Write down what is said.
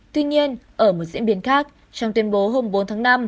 tuy nhiên ở một diễn biến khác trong tuyên bố hôm bốn tháng năm